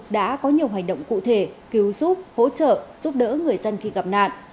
đã có nhiều hành động cụ thể cứu giúp hỗ trợ giúp đỡ người dân khi gặp nạn